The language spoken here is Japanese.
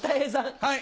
はい。